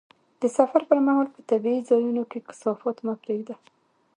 د سفر پر مهال په طبیعي ځایونو کې کثافات مه پرېږده.